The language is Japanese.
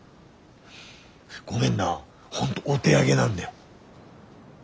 ごめんな本当お手上げなんだよ。